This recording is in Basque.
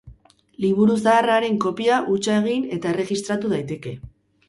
Liburu zahar haren kopia hutsa egin eta erregistratu daiteke.